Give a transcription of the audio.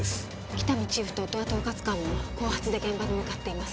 喜多見チーフと音羽統括官も後発で現場に向かっています